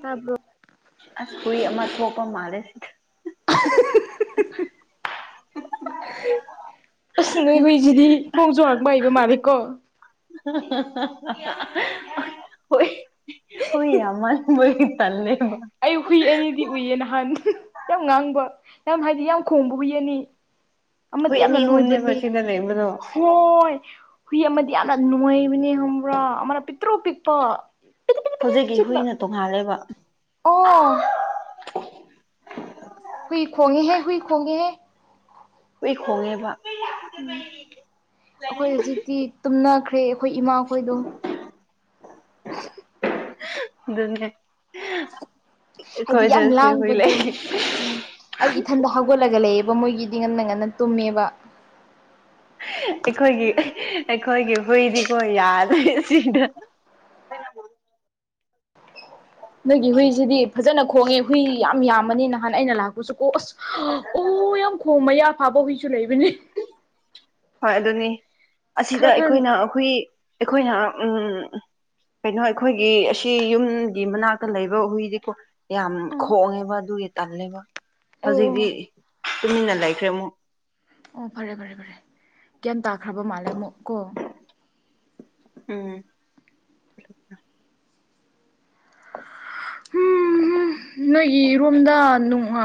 ꯇꯥꯄ ꯑꯁ ꯊꯣꯏ ꯑ ꯊꯣꯛꯄ ꯃꯥꯂꯁ ꯑꯁ ꯅꯣꯏ ꯍꯣꯏꯏꯁꯤꯗꯤ ꯊꯣꯡ ꯆꯔꯛꯄ ꯍꯩꯕ ꯃꯥꯂꯦꯀꯣ ꯍꯣꯏ ꯍꯣꯏ ꯑꯃꯔ ꯃꯣꯏ ꯇꯦ ꯑꯩ ꯍꯨꯏ ꯑꯅꯤꯗꯤ ꯎꯏꯌꯦ ꯅꯍꯥꯟ ꯌꯥꯝ ꯉꯥꯡꯕ ꯌꯥꯝ ꯍꯥꯏꯗꯤ ꯌꯥꯝ ꯈꯣꯡꯕꯕꯨ ꯌꯦꯅꯤ ꯑꯃꯗꯤ ꯍꯨꯏ ꯌꯥꯝꯅ ꯑꯅꯤ ꯑꯍꯨꯝꯅꯦꯕ ꯅꯣꯏꯕꯅꯦ ꯁꯤꯗ ꯂꯩꯕꯗꯣ ꯍꯣꯏ ꯍꯨꯏ ꯑꯃꯗꯤ ꯌꯥꯝꯅ ꯅꯅꯨꯡꯉꯕꯅꯦ ꯈꯪꯕ꯭ꯔꯥ ꯑꯃꯅ ꯄꯤꯛꯇ꯭ꯔꯣ ꯄꯤꯛꯄ ꯄꯤꯗꯤ ꯄꯤꯗꯤ ꯄꯤꯗꯤ ꯍꯧꯖꯤꯛꯀꯤ ꯆꯤꯛꯄ ꯍꯨꯏꯅ ꯇꯣꯡꯉꯥꯜꯂꯦꯕ ꯑꯣ ꯍꯨꯏ ꯈꯣꯡꯉꯦ ꯍꯦ ꯍꯨꯏ ꯈꯣꯡꯉꯦ ꯍꯦ ꯍꯨꯏ ꯈꯣꯡꯉꯦꯕ ꯎꯝ ꯑꯩꯈꯣꯏ ꯍꯧꯖꯤꯛꯇꯤ ꯇꯨꯝꯅꯈ꯭ꯔꯦ ꯑꯩꯈꯣꯏ ꯏꯃꯥꯈꯣꯏꯗꯣ [unintelligible] ꯑꯗꯨꯅꯦ ꯍꯥꯏꯗꯤ ꯑꯩꯈꯣꯏ ꯗ ꯌꯥꯝ ꯂꯥꯡꯕꯗꯣ [unintelligible] ꯎꯝ ꯑꯩ ꯏꯊꯟꯗ ꯍꯧꯒꯠꯂꯒ ꯂꯩꯌꯦꯕ ꯃꯣꯏꯒꯤꯗꯤ ꯉꯟꯅ ꯉꯟꯅ ꯇꯨꯝꯃꯦꯕ ꯑꯩꯈꯣꯏꯒꯤ ꯑꯩꯈꯣꯏꯒꯤ ꯍꯨꯏꯗꯤꯀꯣ ꯌꯥꯗ꯭ꯔꯦ ꯁꯤꯗ ꯅꯣꯏꯒꯤ ꯍꯨꯏꯁꯤꯗꯤ ꯐꯖꯅ ꯈꯣꯡꯉꯦ ꯍꯨꯏ ꯌꯥꯝꯃꯅꯤ ꯅꯍꯥꯟ ꯑꯩꯅ ꯂꯥꯛꯄ ꯑꯣ ꯑꯁ ꯑꯣ ꯌꯥꯝ ꯈꯣꯡ ꯃꯌꯥ ꯐꯥꯕ ꯍꯨꯏꯁꯨ ꯂꯩꯕꯅꯤ ꯍꯣꯏ ꯑꯗꯨꯅꯤ ꯑꯁꯤꯗ ꯈꯔ ꯈꯔ ꯑꯩꯈꯣꯏꯅ ꯑꯩꯈꯣꯏ ꯑꯩꯈꯣꯏꯅ ꯎꯝ ꯀꯩꯅꯣ ꯑꯩꯈꯣꯏꯒꯤ ꯑꯁꯤ ꯌꯨꯝꯒꯤ ꯃꯅꯥꯛꯇ ꯂꯩꯕ ꯍꯨꯏꯗꯤꯀꯣ ꯌꯥꯝ ꯑꯪ ꯈꯣꯡꯉꯦꯕ ꯑꯗꯨꯒꯤ ꯇꯜꯂꯦꯕ ꯑꯣ ꯍꯧꯖꯤꯛꯇꯤ ꯑꯣ ꯇꯨꯃꯤꯟꯅ ꯂꯩꯈ꯭ꯔꯦ ꯑꯃꯨꯛ ꯑꯣ ꯐꯔꯦ ꯐꯔꯦ ꯐꯔꯦ ꯀꯌꯥꯝ ꯇꯥꯈ꯭ꯔꯕ ꯃꯥꯜꯂꯦ ꯑꯃꯨꯛ ꯀꯣ ꯎꯝ ꯅꯣꯏꯒꯤ ꯔꯣꯝꯗ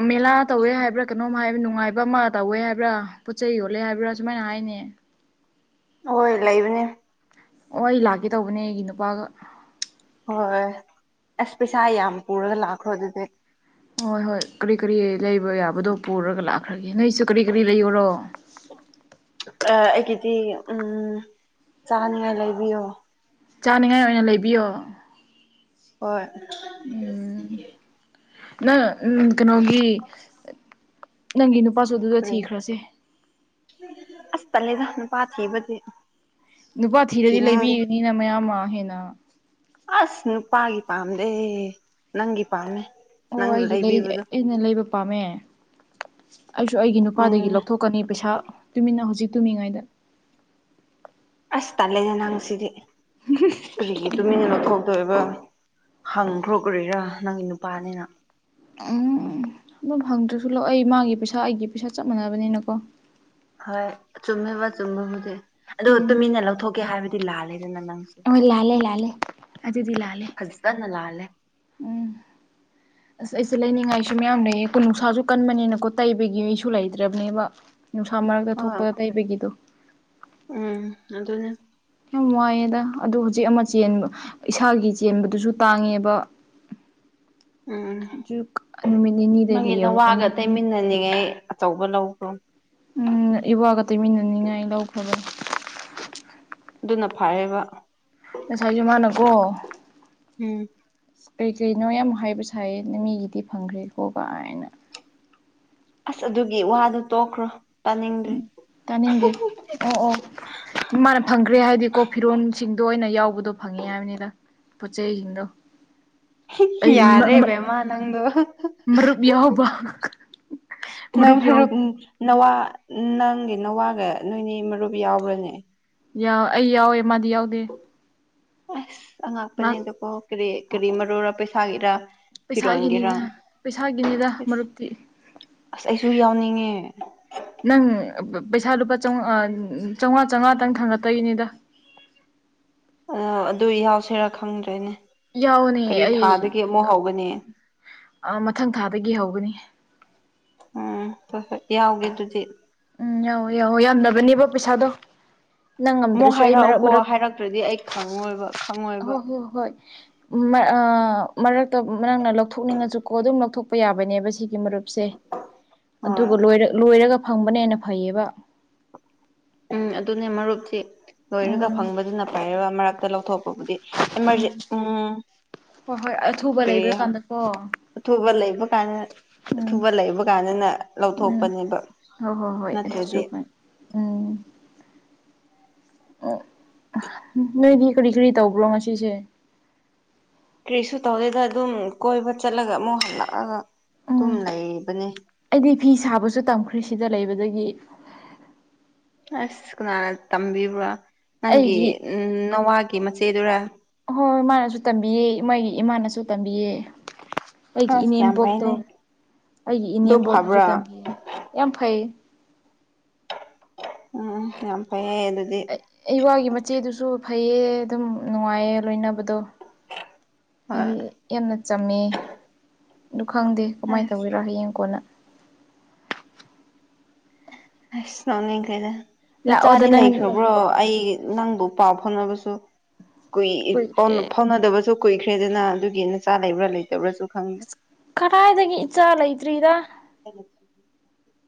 ꯃꯦꯂꯥ ꯇꯧꯋꯦ ꯍꯥꯏꯕ꯭ꯔꯥ ꯀꯩꯅꯣꯝ ꯍꯥꯏꯕ ꯅꯨꯡꯉꯥꯏꯕ ꯑꯃ ꯇꯧꯋꯦ ꯍꯥꯏꯕ꯭ꯔꯥ ꯄꯣꯠ ꯆꯩ ꯌꯣꯜꯂꯦ ꯍꯥꯏꯕ꯭ꯔꯥ ꯁꯨꯃꯥꯏꯅ ꯍꯥꯏꯅꯦ ꯍꯣꯏ ꯂꯩꯕꯅꯦ ꯑꯣ ꯑꯩ ꯂꯥꯛꯀꯦ ꯇꯧꯕꯅꯦ ꯑꯩꯒꯤ ꯅꯨꯄꯥꯒ ꯍꯣꯏꯏ ꯑꯁ ꯄꯩꯁꯥ ꯌꯥꯝ ꯄꯨꯔꯒ ꯂꯥꯛꯈ꯭ꯔꯣ ꯑꯗꯨꯗꯤ ꯍꯣꯏ ꯍꯣꯏ ꯀꯔꯤ ꯀꯔꯤ ꯂꯩꯕ ꯌꯥꯕꯗꯣ ꯄꯨꯔꯒ ꯂꯥꯛꯈ꯭ꯔꯒꯦ ꯅꯣꯏꯁꯨ ꯀꯔꯤ ꯀꯔꯤ ꯂꯩꯑꯣꯔꯣ ꯑꯥ ꯑꯩꯒꯤꯗꯤ ꯎꯝꯝ ꯆꯥꯅꯤꯉꯥꯏ ꯂꯩꯕꯤꯌꯣ ꯆꯥꯅꯤꯡꯉꯥꯏ ꯑꯣꯏꯅ ꯂꯩꯕꯤꯌꯣ ꯍꯣꯏ ꯎꯝ ꯅ ꯎꯝ ꯀꯩꯅꯣꯒꯤ ꯅꯪꯒꯤ ꯅꯨꯄꯥꯁꯨ ꯑꯗꯨꯗ ꯀꯔꯤ ꯊꯤꯈ꯭ꯔꯁꯦ ꯑꯁ ꯇꯟꯂꯦꯗꯥ ꯅꯨꯄꯥ ꯊꯤꯕꯗꯤ ꯅꯨꯄꯥ ꯊꯤꯔꯗꯤ ꯊꯤꯅꯤꯡꯗꯦ ꯂꯩꯕꯤꯔꯥꯅꯤꯅ ꯃꯌꯥꯝ ꯃꯥꯡ ꯍꯦꯟꯅ ꯑꯁ ꯅꯨꯄꯥꯒꯤ ꯄꯥꯝꯗꯦ ꯅꯪꯒꯤ ꯄꯥꯝꯃꯦ ꯑꯣ ꯅꯪꯅ ꯑꯩꯒꯤ ꯂꯩ ꯂꯩꯕꯤꯕꯗꯣ ꯑꯩꯅ ꯂꯩꯕ ꯄꯥꯝꯃꯦ ꯑꯩꯁꯨ ꯑꯩꯒꯤ ꯅꯨꯄꯥꯗꯒꯤ ꯎꯝ ꯂꯧꯊꯣꯛ ꯀꯅꯤ ꯄꯩꯁꯥ ꯇꯨꯃꯤꯟꯅ ꯍꯧꯖꯤꯛ ꯇꯨꯝꯃꯤꯉꯩꯗ ꯑꯁ ꯇꯥꯜꯂꯦꯗ ꯅꯪ ꯁꯤꯗꯤ ꯀꯔꯤꯒꯤ ꯇꯨꯃꯤꯟꯅ ꯂꯧꯊꯣꯛꯇꯣꯏꯕ ꯍꯪꯒ꯭ꯔꯣ ꯀꯔꯤꯔ ꯅꯪꯒꯤ ꯅꯨꯄꯥꯅꯤꯅ ꯎꯝ ꯑꯗꯨꯝ ꯍꯪꯗ꯭ꯔꯁꯨ ꯂꯧꯏ ꯃꯥꯒꯤ ꯄꯩꯁꯥ ꯑꯩꯒꯤ ꯄꯩꯁꯥ ꯆꯞ ꯃꯥꯟꯅꯕꯅꯤꯅꯀꯣ ꯍꯣꯏ ꯆꯨꯝꯃꯦꯕ ꯆꯨꯝꯕꯕꯨꯗꯤ ꯑꯗꯣ ꯎꯝ ꯇꯨꯃꯤꯟꯅ ꯂꯧꯊꯣꯛꯀꯦ ꯍꯥꯏꯕꯗꯤ ꯂꯥꯜꯂꯦꯗꯅ ꯅꯪꯁꯨ ꯍꯣꯏ ꯂꯥꯜꯂꯦ ꯂꯥꯜꯂꯦ ꯑꯗꯨꯗꯤ ꯂꯥꯜꯂꯦ ꯐꯖꯅꯥ ꯂꯥꯥꯜꯂꯦ ꯎꯝ [inaudible] ꯑꯁ ꯑꯩꯁꯦ ꯂꯩꯅꯤꯡꯉꯥꯏꯁꯨ ꯃꯌꯥꯝ ꯂꯩꯌꯦꯀꯣ ꯅꯨꯡꯁꯥꯁꯨ ꯀꯟꯕꯅꯤꯅꯀꯣ ꯇꯩꯕꯒꯤ ꯃꯍꯤꯁꯨ ꯂꯩꯇ꯭ꯔꯕꯅꯦꯕ ꯅꯨꯡꯁꯥ ꯃꯔꯛꯇ ꯍꯣꯏ ꯊꯣꯛꯄꯗ ꯇꯩꯕꯒꯤꯗꯣ ꯎꯝ ꯑꯗꯨꯅꯥ ꯌꯥꯝ ꯋꯥꯏꯌꯦꯗ ꯑꯗꯨ ꯍꯧꯖꯤꯛ ꯑꯃ ꯆꯦꯟꯕ ꯏꯁꯥꯒꯤ ꯆꯦꯟꯕꯗꯨꯁꯨ ꯇꯥꯡꯉꯦꯕ ꯎꯝ ꯖꯨꯛ ꯅꯨꯃꯤꯠ ꯅꯤꯅꯤꯗ ꯂꯩ ꯌꯧꯔꯛꯀꯅꯤ [unintelligible] ꯇꯧꯕ ꯂꯧꯕ꯭ꯔꯣ ꯎꯝ ꯏꯋꯥꯒ ꯇꯩꯃꯤꯟꯅꯅꯤꯡꯉꯥꯏ ꯂꯧꯈ꯭ꯔꯕꯅꯦ ꯑꯗꯨꯅ ꯐꯔꯦꯕ ꯉꯁꯥꯏꯁꯨ ꯃꯥꯅꯀꯣ ꯎꯝ ꯀꯩ ꯀꯔꯤꯅꯣ ꯌꯥꯝ ꯍꯥꯏꯕ ꯁꯥꯏꯌꯦ ꯃꯤꯒꯤꯗꯤ ꯐꯪꯈ꯭ꯔꯦꯀꯣ ꯒꯥꯏꯅ ꯑꯁ ꯑꯗꯨꯒꯤ ꯋꯥꯗꯣ ꯇꯣꯛꯈ꯭ꯔꯣ ꯇꯥꯅꯤꯡꯗ꯭ꯔꯦ ꯇꯥꯅꯤꯡꯗꯦ ꯑꯣ ꯑꯣ ꯃꯥꯅ ꯐꯪꯈ꯭ꯔꯦ ꯍꯥꯏꯗꯤꯀꯣ ꯐꯤꯔꯣꯟꯁꯤꯡꯗꯣ ꯑꯣꯏꯅ ꯌꯥꯎꯕꯗꯣ ꯐꯪꯉꯦ ꯍꯥꯏꯕꯅꯤꯗ ꯄꫭꯠꯆꯩꯩ ꯖꯤꯡꯗꯣ ꯌꯥꯔꯦ ꯕꯦꯝꯃ ꯅꯪꯗꯣ ꯃꯔꯨꯞ ꯌꯥꯎꯕ ꯅꯪ ꯃꯔꯨꯞ ꯈꯔ ꯎꯝ ꯌꯥꯎꯕ ꯅꯋꯥ ꯅꯪꯒꯤ ꯅꯋꯥꯒ ꯅꯣꯏꯅꯤ ꯃꯔꯨꯞ ꯌꯥꯎꯕ꯭ꯔꯅꯦ ꯌꯥ ꯑꯩ ꯌꯥꯎꯋꯦ ꯃꯥꯗꯤ ꯌꯥꯎꯗꯦ ꯑꯁ ꯃꯥ ꯑꯉꯛꯄꯅꯦꯗꯀꯣ ꯀꯔꯤ ꯀꯔꯤ ꯃꯔꯨꯔ ꯄꯩꯁꯥꯒꯤꯔ ꯐꯤꯔꯣꯜꯒꯤꯔꯥ ꯄꯩꯁꯥꯒꯤꯅꯤꯗ ꯄꯩꯁꯥꯒꯤꯅꯤꯗ ꯑꯦꯁ ꯃꯔꯨꯞꯇꯤ ꯑꯁ ꯑꯩꯁꯨ ꯌꯥꯎꯅꯤꯡꯉꯦ ꯅꯪ ꯄꯩꯁꯥ ꯂꯨꯄꯥ ꯆꯧꯉꯥ ꯆꯧꯉꯥ ꯆꯧꯉꯥꯇꯪ ꯊꯥꯡꯒꯠꯇꯣꯏꯅꯤꯗ ꯑ ꯑꯗꯨ ꯍꯥꯎꯁꯤꯔꯥ ꯈꯪꯗ꯭ꯔꯦꯅꯦ ꯌꯥꯎꯒꯅꯤ ꯀꯔꯤ ꯑꯩ ꯊꯥꯗꯒꯤ ꯑꯃꯨꯛ ꯍꯧꯒꯅꯤ ꯑ ꯃꯊꯪ ꯊꯥꯗꯒꯤ ꯍꯧꯒꯅꯤ ꯎꯝ ꯍꫭꯏ ꯍꯣꯏ ꯌꯥꯎꯒꯦ ꯑꯗꯨꯗꯤ ꯎꯝ ꯌꯥꯎꯋꫭ ꯌꯥꯎꯋꫭ ꯌꯥꯝꯗꯕꯅꯦꯕ ꯄꯩꯁꯥꯗꯣ ꯅꯪ ꯑꯃꯨꯛ ꯉꯝꯗ꯭ꯔꯁꯨ ꯑꯩ ꯃꯔꯛ ꯍꯥꯏꯔꯛꯎꯀꯣ ꯍꯥꯏꯔꯛꯇ꯭ꯔꯗꯤ ꯑꯩ ꯈꯪꯉꯣꯏꯕ ꯈꯪꯉꯣꯏꯕ ꯍꫭ ꯍꯣ ꯍꯣꯏ ꯃ ꯑ ꯃꯔꯛꯇ ꯃ ꯅꯪꯅ ꯂꯧꯊꯣꯛꯅꯤꯡꯉꯁꯨꯀꯣ ꯑꯗꯨꯝ ꯂꯧꯊꯣꯛꯄ ꯌꯥꯕꯅꯦꯕ ꯁꯤ ꯗꯤ ꯃꯔꯨꯞꯁꯦ ꯍꯣꯏ ꯑꯗꯨꯒ ꯂꯣꯏꯔꯒ ꯐꯪꯕꯅ ꯍꯦꯟꯅ ꯐꯩꯌꯦꯕ ꯎꯝ ꯑꯗꯨꯅꯦ ꯃꯔꯨꯞꯁꯤ ꯂꯣꯏꯔꯒ ꯎꯝ ꯐꯪꯕꯗꯨꯅ ꯐꯩꯌꯦꯕ ꯃꯔꯛꯇ ꯂꯧꯊꯣꯛ ꯗꯨꯕꯨꯗꯤ ꯎꯝ ꯏꯃꫪꯖ ꯎꯝ ꯀꯔꯤ ꯍ ꯑꯣ ꯑꯊꯨꯕ ꯂꯩꯕ ꯀꯥꯟꯅ ꯑꯊꯨꯕ ꯂꯩꯕ ꯀꯥꯟꯗꯅ ꯎꯝ ꯂꯧꯊꯣꯛꯄꯅꯦꯕ ꯍꯣꯏ ꯍꯣꯏ ꯍꯣꯏ ꯅꯠꯇ꯭ꯔꯗꯤ ꯑꯗꯨꯁꯨ ꯐꯩ ꯎꯝ ꯅꯣꯏꯗꯤ ꯀꯔꯤ ꯀꯔꯤ ꯇꯧꯕ꯭ꯔꯣ ꯉꯁꯤꯁꯦ ꯀꯔꯤꯁꯨ ꯇꯧꯗꯦꯗ ꯑꯗꯨꯝ ꯀꯣꯏꯕ ꯆꯠꯂꯒ ꯑꯃꯨꯛ ꯍꯜꯂꯛꯑꯒ ꯇꯨꯝ ꯎꯝ ꯂꯩꯕꯅꯦ ꯑꯩꯗꯤ ꯐꯤ ꯁꯥꯕꯁꯨ ꯇꯝꯈ꯭ꯔꯦ ꯁꯤꯗ ꯂꯩꯕꯗꯒꯤ ꯑꯁ ꯀꯅꯥꯅ ꯇꯝꯕꯤꯕ꯭ꯔ ꯅꯪꯒꯤ ꯑꯩꯒꯤ ꯎꯝ ꯅꯋꯥꯒꯤ ꯃꯆꯦꯗꯨꯔ ꯍꯣꯏ ꯃꯥꯅꯁꯨ ꯇꯝꯕꯤꯌꯦ ꯃꯣꯏꯒꯤ ꯏꯃꯥꯅꯁꯨ ꯇꯝꯕꯤꯌꯦ ꯑꯩꯒꯤ ꯑꯁ ꯌꯥꯝ ꯏꯅꯦꯝꯄꯣꯛꯇꯣ ꯐꯩꯅꯦ ꯑꯩꯒꯤ ꯑꯗꯨ ꯏꯅꯦꯝꯕꯣꯛꯅꯁꯨ ꯐꯕ꯭ꯔꯥ ꯇꯝꯕꯤꯌꯦ ꯌꯥꯝ ꯐꯩꯌꯦ ꯎꯝ ꯎꯝ ꯌꯥꯝ ꯐꯩꯌꯦ ꯑꯗꯨꯗꯤ ꯏꯋꯥꯒꯤ ꯃꯆꯦꯗꯨꯁꯨ ꯐꯩꯌꯦ ꯑꯗꯨꯝ ꯅꯨꯡꯉꯥꯏꯌꯦ ꯂꯣꯏꯅꯕꯗꯣ ꯍꯣꯏ ꯍꯥꯏꯗꯤ ꯌꯥꯝꯅ ꯆꯝꯃꯦ ꯑꯗꯨ ꯈꯪꯗꯦ ꯀꯃꯥꯏꯅ ꯑꯁ ꯇꯧꯒꯦꯔꯣ ꯍꯌꯦꯡ ꯀꯣꯟꯅ ꯑꯁ ꯅꫭꯛꯅꯤꯡꯈ꯭ꯔꯦꯗ ꯂꯥꯛꯑꯣꯗ ꯅꯆꯥꯗꯤ ꯅꯪ ꯂꯩꯈ꯭ꯔꯕ꯭ꯔꯣ ꯑꯩ ꯅꯪꯕꯨ ꯄꯥꯎ ꯐꯥꯎꯅꯕꯁꯨ ꯀꯨꯢ ꯀꯨꯏ ꯐꯥꯎꯅꯗꯕꯁꯨ ꯀꯨꯏꯈ꯭ꯔꯦꯗꯅ ꯑꯗꯨꯒꯤ ꯅꯆꯥ ꯂꯩꯕ꯭ꯔ ꯂꯩꯇꯕ꯭ꯔꯁꯨ ꯀꯔꯥꯏꯗꯒꯤ ꯏꯆꯥ ꯂꯩꯇ꯭ꯔꯤꯗ [inaudible] [inaudible]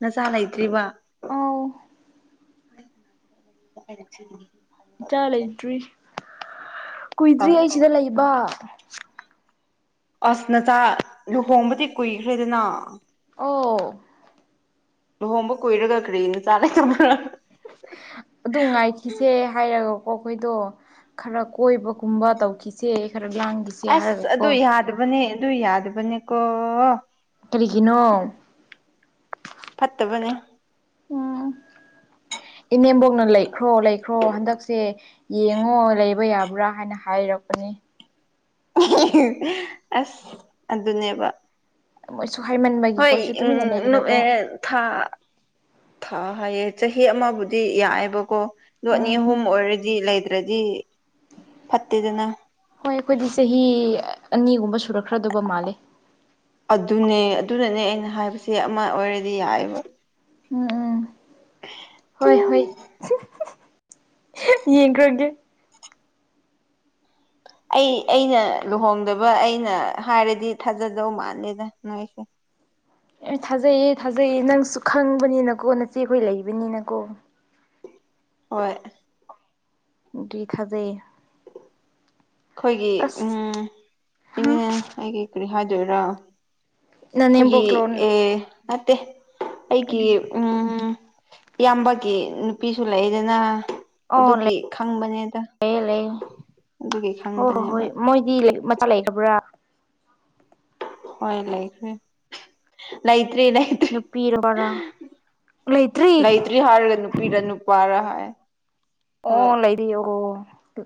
ꯅꯆꯥꯥ ꯂꯩꯇ꯭ꯔꯤꯕ ꯑꯥꯎ [inaudible] ꯏꯆꯥ ꯂꯩꯇ꯭ꯔꯤ ꯀꯨꯏꯗ꯭ꯔꯤ ꯑꯩ ꯁꯤꯗ ꯂꯩꯕ ꯑꯁ ꯅꯆꯥ ꯂꯨꯍꯣꯡꯕꯗꯤ ꯀꯨꯏꯈ꯭ꯔꯦꯗꯅ ꯑꯣ ꯂꯨꯍꯣꯡꯕ ꯀꯨꯏꯔꯒ ꯀꯔꯤꯒꯤ ꯅꯆꯥ ꯂꯩꯇꯕ꯭ꯔ ꯑꯗꯨꯝ ꯉꯥꯏꯈꯤꯁꯦ ꯍꯥꯏꯔꯒꯀꯣ ꯑꯈꯣꯏꯗꯣ ꯈꯔ ꯀꯣꯏꯕꯒꯨꯝꯕ ꯇꯧꯈꯤꯁꯦ ꯈꯔ ꯂꯥꯡꯒꯤ ꯑꯁ ꯑꯗꯨ ꯌꯥꯗꯕꯅꯦ ꯑꯗꯨ ꯌꯥꯗꯕꯅꯦꯀꯣ ꯀꯔꯤꯒꯤꯅꯣ ꯐꯠꯇꯕꯅꯦ [inaudible] ꯏꯅꯦꯝꯕꯣꯛꯅ ꯂꯩꯈ꯭ꯔꯣ ꯂꯩꯈ꯭ꯔꯣ ꯍꯟꯗꯛꯁꯦ ꯌꯦꯡꯉꯣ ꯂꯩꯕ ꯌꯥꯕ꯭ꯔꯥ ꯍꯥꯏꯅ ꯍꯥꯏꯔꯛꯄꯅꯤ ꯑꯁ ꯑꯗꯨꯅꯦꯕ ꯃꯣꯏꯁꯨ ꯍꯥꯏꯃꯟꯕꯒꯤꯀꯣ ꯍꯣꯏ ꯑꯩꯁꯨ ꯇꯨꯃꯤꯟꯅ ꯎꯝ ꯂꯩꯔꯕ ꯑꯦ ꯊꯥ ꯊꯥ ꯍꯥꯏꯌꯦ ꯆꯍꯤ ꯑꯃꯕꯨꯗꯤ ꯌꯥꯏꯌꯦꯕꯀꯣ ꯂꯣꯠꯅꯤ ꯎꯝ ꯑꯍꯨꯝ ꯑꯣꯏꯔꯗꯤ ꯂꯩꯗ꯭ꯔꯗꯤ ꯐꯠꯇꯦꯗꯅ ꯍꯣꯏ ꯑꯩꯈꯣꯏꯗꯤ ꯆꯍꯤ ꯑꯅꯤꯒꯨꯝꯕ ꯁꯨꯔꯛꯈ꯭ꯔꯗꯕ ꯃꯥꯜꯂꯦ ꯑꯗꯨꯅꯦ ꯑꯗꯨꯅꯅꯦ ꯑꯩꯅ ꯍꯥꯏꯕꯁꯦ ꯑꯃ ꯑꯣꯏꯔꯗꯤ ꯌꯥꯏꯌꯦꯕ ꯎꯝ ꯎꯝ ꯍꯣꯏ ꯍꯣꯏ ꯌꯦꯡꯈ꯭ꯔꯒꯦ ꯑꯩ ꯑꯩꯅ ꯂꯨꯍꯣꯡꯗꯕ ꯑꯩꯅ ꯍꯥꯏꯔꯗꯤ ꯊꯥꯖꯗꯧ ꯃꯥꯜꯂꯦꯗ ꯅꯣꯏꯁꯦ ꯑꯦ ꯊꯥꯖꯩꯌꯦ ꯊꯥꯖꯩꯌꯦ ꯅꯪꯁꯨ ꯈꯪꯕꯅꯤꯅꯀꯣ ꯅꯆꯦ ꯑꯩꯈꯣꯏ ꯂꯩꯕꯅꯤꯅꯀꯣ ꯍꯣꯏ [unintelligible] ꯈꯣꯏꯒꯤ ꯑꯁ ꯎꯝ ꯍꯨꯝ ꯑꯩꯒꯤ ꯀꯔꯤ ꯍꯥꯏꯗꯣꯏꯔꯥ ꯈꯣꯏꯒꯤ ꯅꯅꯦꯝꯕꯣꯛ ꯂꯣꯟ ꯑꯦ ꯅꯠꯇꯦ ꯑꯩꯒꯤ ꯀꯔꯤ ꯎꯝꯝ ꯏꯌꯥꯝꯕꯒꯤ ꯅꯨꯄꯤꯁꯨ ꯂꯩꯗꯅ ꯑꯗꯨꯒꯤ ꯈꯪꯕꯅꯦꯗ ꯂꯩ ꯂꯩ ꯑꯗꯨꯒꯤ ꯍꯣꯏ ꯍꯣꯏ ꯈꯪꯕꯅꯦꯕ ꯍꯣꯏ ꯃꯣꯏꯗꯤ ꯃꯆꯥ ꯂꯩꯈ꯭ꯔꯕ꯭ꯔꯥ ꯍꯣꯏ ꯂꯩꯈ꯭ꯔꯦ ꯂꯩꯇ꯭ꯔꯦ ꯂꯩ ꯅꯨꯄꯤꯔ ꯄꯔ ꯂꯩꯇ꯭ꯔꯤ [unintelligible] ꯄꯤꯔꯅꯨꯄꯥꯔꯥ ꯍꯥꯏ ꯍꯣꯏ ꯑꯣ ꯂꯩꯔꯤ ꯑꯣ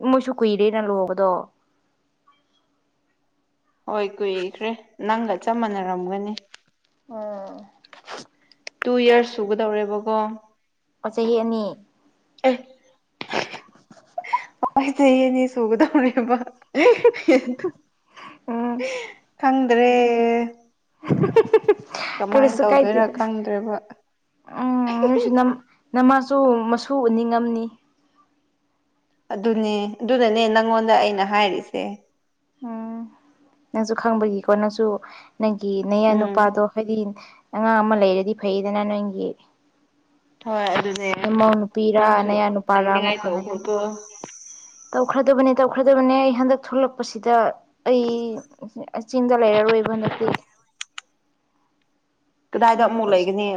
ꯃꯣꯏꯁꯨ ꯀꯨꯏꯔꯦꯅ ꯂꯨꯍꯣꯡꯕꯗꯣ ꯍꯣꯏ ꯀꯨꯏꯈ꯭ꯔꯦ ꯅꯪꯒ ꯆꯞ ꯃꯥꯟꯅꯔꯝꯒꯅꯤ ꯑꯣ ꯇꯨ ꯌ꯭ꯔꯁ ꯁꯨꯒꯗꯧꯔꯦꯕꯀꯣ ꯑꯣ ꯆꯍꯤ ꯑꯅꯤ ꯑꯦ ꯍꯣꯏ ꯆꯍꯤ ꯑꯅꯤ ꯁꯨꯒ ꯗꯧꯔꯦꯕ ꯑꯦ ꯎꯝ ꯈꯪꯗ꯭ꯔꯦ [inaudible] ꯀꯃꯥꯏꯅ ꯀꯔꯤꯁꯨ ꯇꯧꯗꯣꯏꯔꯥ ꯀꯥꯏꯗꯦꯗ ꯈꯪꯗ꯭ꯔꯦꯕ ꯎꯝ ꯅꯣꯏꯁꯨ ꯅꯝ ꯅꯃꯥꯁꯨ ꯃꯁꯨ ꯎꯅꯤꯡꯉꯝꯅꯤ ꯑꯗꯨꯅꯦ ꯑꯗꯨꯅꯅꯦ ꯅꯪꯉꯣꯟꯗ ꯑꯩꯅ ꯍꯥꯏꯔꯤꯁꯦ ꯎꯝ ꯅꯪꯁꯨ ꯈꯪꯕꯒꯤꯀꯣ ꯅꯪꯁꯨ ꯅꯪꯒꯤ ꯅꯌꯥ ꯎꯝ ꯅꯨꯨꯄꯥꯗꯣ ꯍꯥꯏꯗꯤ ꯑꯉꯥꯡ ꯑꯃ ꯂꯩꯔꯗꯤ ꯐꯩꯗꯅ ꯅꯪꯒꯤ ꯍꯣꯏ ꯑꯗꯨꯅꯦ ꯅꯃꯧ ꯅꯨꯄꯤꯔ ꯅꯪꯁꯨ ꯅꯌꯥ ꯅꯨꯄꯥꯔ ꯑꯃ ꯂꯩꯅꯤꯡꯉꯥꯏ ꯇꯧ ꯐꯪꯉꯗꯤ ꯈ꯭ꯔꯣꯀꯣ ꯇꯧꯈ꯭ꯔꯗꯕꯅꯦ ꯇꯧꯈ꯭ꯔꯗꯕꯅꯦ ꯑꯩ ꯍꯟꯗꯛ ꯊꯣꯛꯂꯛꯄꯁꯤꯗ ꯑꯩ ꯆꯤꯡꯗ ꯂꯩꯔꯔꯣꯏꯕ ꯍꯟꯗꯛꯇꯤ ꯀꯗꯥꯏꯗ ꯑꯃꯨꯛ ꯑꯗꯨꯒ ꯁꯤ ꯂꯩꯒꯅꯤ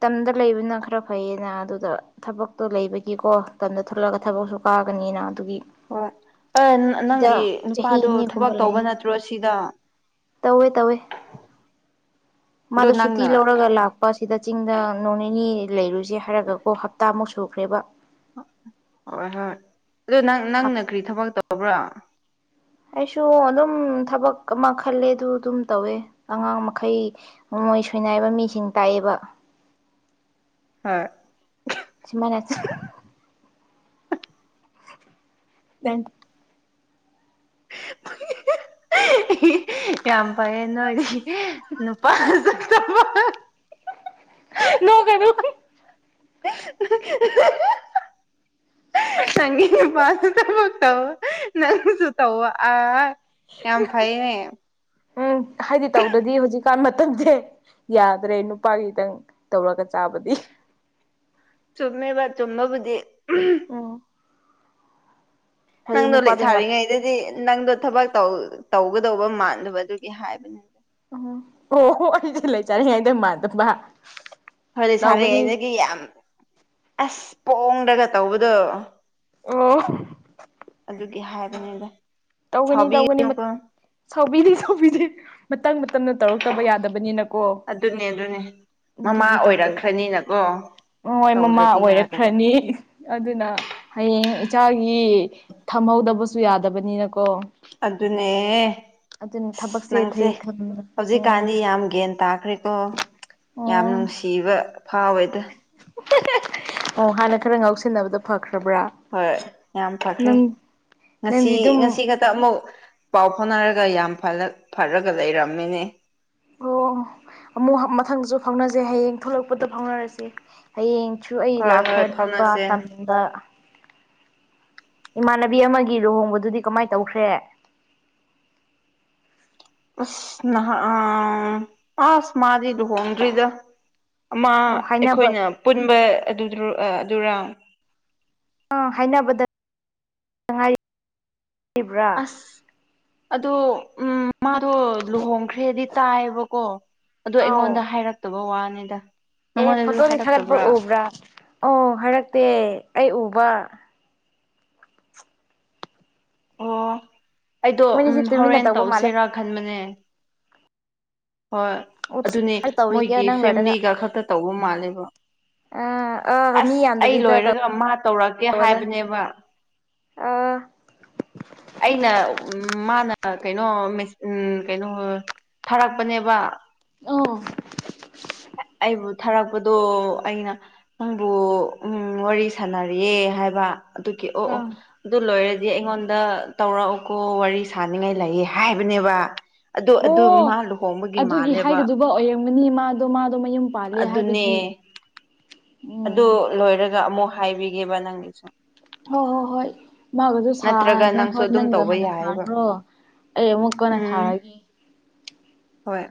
ꯇꯝꯗ ꯂꯩꯕꯅ ꯈꯔ ꯐꯩꯌꯦꯅ ꯑꯗꯨꯗ ꯊꯕꯛꯇꯣ ꯂꯩꯕꯒꯤꯀꯣ ꯇꯝꯗ ꯊꯣꯛꯂꯛꯑꯒ ꯊꯕꯛꯁꯨ ꯀꯥꯒꯅꯤꯅ ꯑꯗꯨꯒꯤ ꯍꯣꯏ ꯁꯤꯗ ꯅꯪꯒꯤ ꯆꯍꯤ ꯅꯨꯄꯥꯗꯣ ꯊꯕꯛ ꯑꯅꯤꯒꯨꯝꯕ ꯇꯧꯕ ꯂꯩ ꯅꯠꯇ꯭ꯔꯣ ꯁꯤꯗ ꯇꯧꯋꯦ ꯇꯧꯋꯦ ꯑꯗꯣ ꯃꯥꯗꯣ ꯁꯨꯇꯤ ꯅꯪꯅ ꯂꯧꯔꯒ ꯂꯥꯛ ꯑꯣ ꯁꯤꯗ ꯆꯤꯡꯗ ꯅꯣꯡ ꯅꯤꯅꯤ ꯂꯩꯔꯨꯁꯦ ꯍꯥꯏꯔꯒꯀꯣ ꯍꯞꯇꯥꯃꯨꯛ ꯁꯨꯈ꯭ꯔꯦꯕ ꯍꯣꯏ ꯍꯣꯏ ꯑꯣ ꯅꯪ ꯅꯪꯅ ꯀꯔꯤ ꯊꯕꯛ ꯇꯧꯕ꯭ꯔꯥ ꯑꯩꯁꯨ ꯑꯗꯨꯝ ꯊꯕꯛ ꯑꯃ ꯈꯜꯂꯦ ꯑꯗꯨ ꯑꯗꯨꯝ ꯇꯧꯋꯦ ꯑꯉꯥꯡ ꯃꯈꯩ ꯅꯣꯡꯃꯣꯏ ꯁꯣꯏꯅꯥꯏꯕ ꯃꯤꯁꯤꯡ ꯇꯥꯛꯑꯦꯕ ꯍꯣꯏ ꯁꯤꯃꯅꯦ ꯌꯥꯝ ꯐꯩꯌꯦꯦ ꯅꯣꯏꯗꯤ ꯅꯨꯄꯥ [inaudible] ꯅꯣꯡ ꯀꯩꯅꯣ [inaudible] ꯅꯪꯒꯤ ꯅꯨꯄꯥꯁꯨ ꯊꯕꯛ ꯇꯧ ꯅꯪꯁꯨ ꯇꯧꯑꯣ ꯑ ꯌꯥꯝ ꯐꯥꯏꯅꯦ ꯎꯝ ꯍꯥꯏꯗꯤ ꯇꯧꯗ꯭ꯔꯗꯤ ꯍꯧꯖꯤꯛꯀꯥꯟ ꯃꯇꯝꯁꯦ ꯌꯥꯗ꯭ꯔꯦ ꯅꯨꯄꯥꯒꯤꯇꯪ ꯇꯧꯔꯒ ꯆꯥꯕꯗꯤ ꯆꯨꯝꯃꯦꯕ ꯆꯨꯝꯕꯕꯨꯗꯤ ꯎꯝ ꯍꯥꯏꯗꯤ ꯅꯪꯗꯣ ꯅꯨꯄꯥꯗꯣ ꯌꯥꯝ ꯂꯩꯁꯥꯔꯤꯉꯩꯗꯗꯤ ꯅꯪꯗꯣ ꯊꯕꯛ ꯇꯧ ꯇꯧꯒꯗꯧꯕ ꯃꯥꯟꯗꯕ ꯑꯗꯨꯒꯤ ꯍꯥꯏꯕꯅꯤ ꯑꯣ ꯑꯣ ꯍꯣ ꯑꯩꯁꯦ ꯂꯩꯁꯥꯔꯤꯉꯩꯗ ꯃꯥꯟꯗꯕ ꯍꯣꯏ ꯇꯧꯒꯅꯤ ꯂꯩꯁꯔꯤꯉꯩꯗꯗꯤ ꯌꯥꯝ ꯑꯁ ꯄꯣꯡꯔꯒ ꯇꯧꯕꯗꯣ ꯑꯣ ꯑꯗꯨꯒꯤ ꯍꯥꯏꯕꯅꯤꯗ ꯇꯧꯒꯅꯤ ꯇꯧꯒꯅꯤ ꯁꯥꯎꯕꯤꯒꯅꯨꯀꯣ ꯁꯥꯎꯕꯤꯗꯤ ꯁꯥꯎꯕꯤꯗ ꯃꯇꯝ ꯃꯇꯝꯅ ꯇꯧꯔꯛꯇꯕ ꯌꯥꯗꯕꯅꯤꯅ ꯑꯗꯨꯅꯦ ꯑꯗꯨꯅꯦ ꯃꯃꯥ ꯑꯗꯨꯒꯤ ꯇꯧꯗꯕ ꯑꯣꯏꯔꯛꯈ꯭ꯔꯅꯤꯅꯀꯣ ꯍꯣꯏ ꯃꯃꯥ ꯇꯧꯗ꯭ꯔꯗꯤ ꯌꯥꯗꯕ ꯑꯣꯏꯔꯛꯈ꯭ꯔꯅꯤ ꯑꯗꯨꯅ ꯍꯌꯦꯡ ꯏꯆꯥꯒꯤ ꯊꯝꯍꯧꯗꯕꯁꯨ ꯌꯥꯗꯕꯅꯤꯅꯀꯣ ꯑꯗꯨꯅꯦ ꯑꯗꯨꯅ ꯑꯁ ꯊꯕꯛꯁꯦ ꯅꯪꯁꯦ ꯊꯩ ꯊꯝꯕ ꯎꯝ ꯍꯧꯖꯤꯛꯀꯥꯟꯗꯤ ꯌꯥꯝ ꯒ꯭ꯌꯥꯟ ꯇꯥꯈ꯭ꯔꯦ ꯣ ꯌꯥꯝ ꯑꯣ ꯅꯨꯡꯁꯤꯕ ꯐꯥꯎꯋꯦꯗ ꯑꯣ ꯍꯥꯟꯅ ꯈꯔ ꯉꯥꯎꯁꯤꯟꯅꯕꯗ ꯐꯈ꯭ꯔꯕ꯭ꯔꯥ ꯍꯣꯏ ꯌꯥꯝ ꯐꯈ꯭ꯔꯦ ꯅꯪ ꯉꯁꯤ ꯅꯪꯗꯤ ꯑꯗꯨꯝ ꯉꯁꯤ ꯍꯦꯛꯇ ꯑꯃꯨꯛ ꯄꯥꯎ ꯐꯥꯎꯅꯔꯒ ꯌꯥꯝ ꯐꯔꯒ ꯂꯩꯔꯝꯃꯤꯅꯦ ꯑꯣ ꯑꯃꯨꯛ ꯃꯊꯪꯁꯨ ꯐꯥꯎꯅꯖꯩ ꯍꯌꯦꯡ ꯊꯣꯛꯂꯛꯄꯗ ꯐꯥꯎꯅꯔꯁꯤꯦ ꯍꯌꯦꯡꯁꯨ ꯑꯩ ꯍꯣꯏ ꯍꯣꯏ ꯂꯥꯛꯈ꯭ꯔꯅꯦꯕ ꯑ ꯐꯥꯎꯅꯁꯦ ꯗ ꯏꯃꯥꯟꯅꯕꯤ ꯑꯃꯒꯤ ꯂꯨꯍꯣꯡꯕꯗꯨꯗꯤ ꯀꯃꯥꯏꯅ ꯇꯧꯈ꯭ꯔꯦ ꯑꯁ ꯅꯍ ꯑ ꯑꯁ ꯃꯥꯗꯨ ꯍꯣꯡ꯭ꯔꯔꯤꯗ ꯑꯃ ꯑꯣ ꯍꯥꯏꯅꯕ ꯑꯩꯈꯣꯏꯅ ꯄꯨꯟꯕ ꯑꯗꯨꯔ ꯑꯥ ꯍꯥꯏꯅꯕꯗꯥꯏꯔꯤ ꯑꯁ ꯑꯗꯣ ꯎꯝ ꯃꯥꯗꯣ ꯂꯨꯍꯣꯡꯈ꯭ꯔꯦꯗꯤ ꯇꯥꯏꯌꯦꯕꯀꯣ ꯑꯗꯣ ꯑꯩꯉꯣꯟꯗ ꯑꯥꯎ ꯍꯥꯏꯔꯛꯇꯕ ꯋꯥꯅꯤꯗ ꯑꯦ ꯅꯪꯉꯣꯟꯗꯁꯨ ꯐꯣꯇꯣꯗꯤ ꯊꯥꯒꯠꯄ ꯍꯥꯏꯔꯛꯇꯕ꯭ꯔꯥ ꯎꯕ꯭ꯔꯥ ꯑꯣ ꯍꯥꯏꯔꯛꯇꯦ ꯑꯩ ꯎꯕ ꯑꯣ ꯑꯩꯗꯣ ꯎꯝ ꯃꯣꯏꯅꯤꯁꯦ ꯇꯨꯃꯤꯟꯅ ꯍꯣꯔꯦꯟ ꯇꯧꯕ ꯃꯥꯜꯂꯦ ꯇꯧꯁꯦꯔꯥ ꯈꯟꯕꯅꯦ ꯍꯣꯏ ꯑꯗꯨꯅꯤ ꯇꯧꯏꯒꯦ ꯃꯣꯏꯒꯤ ꯅꯪ ꯂꯣꯏꯔꯒ ꯐꯦꯃꯤꯂꯤꯒ ꯈꯛꯇ ꯇꯧꯕ ꯃꯥꯜꯂꯦꯕ ꯑꯥ ꯑꯥ ꯑꯁ ꯃꯤ ꯑꯩ ꯌꯥꯝꯗꯕꯤꯗ ꯂꯣꯏꯔꯒ ꯃꯥ ꯇꯧꯔꯛꯀꯦ ꯇꯧꯕꯗ ꯍꯥꯏꯕꯅꯦꯕ ꯑꯥ ꯑꯩꯅ ꯎ ꯃꯥꯅ ꯀꯩꯅꯣ ꯎꯝ ꯀꯩꯅꯣ ꯊꯥꯔꯛꯄꯅꯦꯕ ꯑ ꯑꯩꯕꯨ ꯊꯥꯔꯛꯄꯗꯣ ꯑꯩꯅ ꯅꯪꯕꯨ ꯎꯝ ꯋꯥꯔꯤ ꯁꯥꯟꯅꯔꯤꯌꯦꯦ ꯍꯥꯏꯕ ꯑꯗꯨꯒꯤ ꯑꯣ ꯑꯣ ꯑꯥ ꯑꯗꯨ ꯂꯣꯏꯔꯗꯤ ꯑꯩꯉꯣꯟꯗ ꯇꯧꯔꯛꯎꯀꯣ ꯋꯥꯔꯤ ꯁꯥꯅꯤꯡꯉꯥꯏ ꯂꯩꯑ ꯍꯥꯏꯕꯅꯦꯕ ꯑꯗꯨ ꯑꯗꯨ ꯑꯣ ꯃꯥ ꯂꯨꯍꯣꯡꯕꯒꯤ ꯑꯗꯨꯒꯤ ꯃꯥꯜꯂꯦꯕ ꯍꯥꯏꯒꯗꯕ ꯑꯣꯏꯔꯝꯒꯅꯤ ꯃꯥꯗꯣ ꯃꯥꯗꯣ ꯃꯌꯨꯝ ꯄꯥꯜꯂꯦ ꯑꯗꯨꯅꯦ ꯍꯥꯏꯕꯒꯤ ꯑꯣ ꯑꯗꯨ ꯂꯣꯏꯔꯒ ꯑꯃꯨꯛ ꯍꯥꯏꯕꯤꯒꯦꯕ ꯅꯪꯒꯤꯁꯨ ꯍꯣꯏ ꯍꯣꯏ ꯍꯣꯏ ꯃꯥꯒꯁꯨ ꯁꯥ ꯅꯠꯇ꯭ꯔꯒ ꯅꯣꯏ ꯅꯪꯁꯨ ꯍꯣꯏ ꯑꯗꯨꯝ ꯅꯪꯒ ꯇꯧꯕ ꯍꯥꯟꯅ ꯌꯥꯏꯑꯕ ꯁꯥꯈ꯭ꯔꯣ ꯑꯩ ꯑꯃꯨꯛꯀꯟꯅ ꯎꯝ ꯁꯥꯔꯒꯦ ꯍꯣꯏ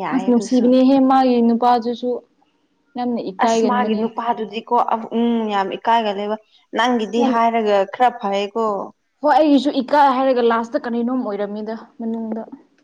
ꯌꯥꯏ ꯑꯁ ꯑꯗꯨꯁꯨ ꯅꯨꯡꯁꯤꯕꯅꯦꯍꯦ ꯃꯥꯒꯤ ꯅꯨꯄꯥꯗꯨꯁꯨ ꯌꯥꯝꯅ ꯑꯁꯃꯥꯒꯤ ꯏꯀꯥꯏꯒꯟꯕꯅꯦ ꯅꯨꯄꯥꯗꯨꯗꯤ ꯀꯣ ꯎꯝ ꯌꯥꯝ ꯏꯀꯥꯏꯒ ꯂꯩꯕ ꯅꯪꯒꯤꯗꯤ ꯌꯥꯝ ꯍꯥꯏꯔꯒ ꯈꯔ ꯐꯩꯀꯣ ꯍꯣꯏ ꯑꯩꯒꯤꯁꯨ ꯏꯀꯥꯏ ꯍꯥꯏꯔꯒ ꯂꯥꯁꯇ ꯀꯔꯤꯅꯣꯝ ꯑꯣꯏꯔꯝꯃꯤꯗ ꯃꯅꯨꯡꯗ